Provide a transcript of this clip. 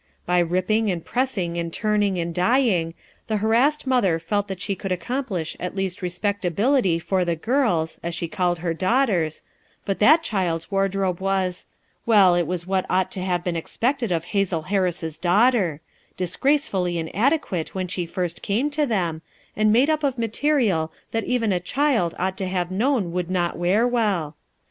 By ripping and pressing and turning and dyeing, the harassed mother felt that she could accomplish at least respect ability for the girls— as she called her daughters— but that child's wardrobe was— well it was what ought to have been expected of Hazel Harris's daughter; disgracefully in adequate when she first came to them, and made up of material that even a child ought to have known would not wear well.